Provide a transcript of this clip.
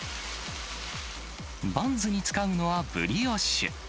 バンズに使うのは、ブリオッシュ。